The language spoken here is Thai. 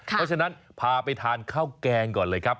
เพราะฉะนั้นพาไปทานข้าวแกงก่อนเลยครับ